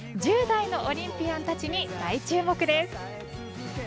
１０代のオリンピアンたちに大注目です。